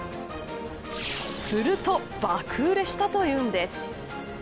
すると爆売れしたというんです。